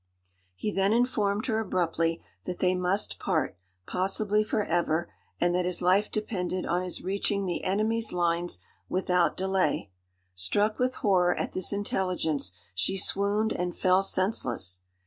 He then informed her abruptly that they must part, possibly for ever, and that his life depended on his reaching the enemy's lines without delay. Struck with horror at this intelligence, she swooned and fell senseless.